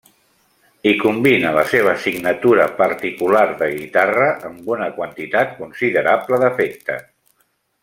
Hi combina la seva signatura particular de guitarra amb una quantitat considerable d'efectes.